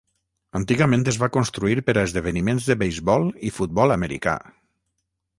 Antigament es va construir per a esdeveniments de beisbol i futbol americà.